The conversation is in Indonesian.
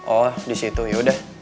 oh disitu yaudah